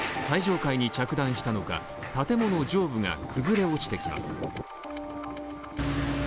最上階に着弾したのか、建物上部が崩れ落ちてきます。